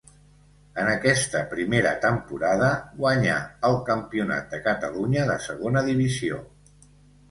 En aquesta primera temporada guanyà el Campionat de Catalunya de segona divisió.